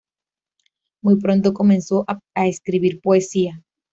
Muy pronto comenzó a escribir poesía.